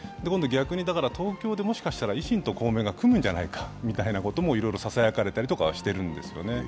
逆に、東京でもしかしたら、維新と公明が組むんじゃないかと、いろいろささやかれたりとかはしてるんですよね。